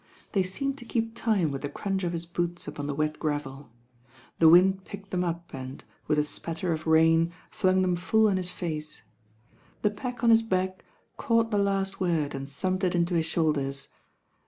They seemed to keep time with the crunch of his boots upon the wet gravel. The wind picked them up and, with a spat ter of rain, flung them full in his face. The pack on his back caught the last word and thumped it into his shoulders.